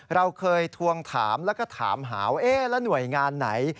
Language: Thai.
เราเคยทวงถามแล้วก็ถามหาว่าแล้วหน่วยงานไหน